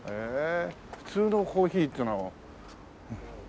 普通のコーヒーっていうのは。